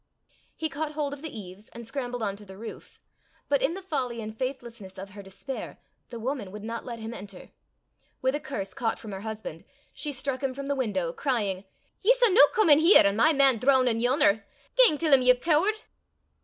He caught hold of the eaves, and scrambled on to the roof. But in the folly and faithlessness of her despair, the woman would not let him enter. With a curse caught from her husband, she struck him from the window, crying, "Ye s' no come in here, an' my man droonin' yon'er! Gang till 'im, ye cooard!"